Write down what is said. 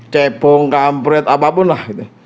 cepung kampret apapun lah